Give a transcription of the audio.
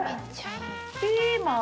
ピーマン？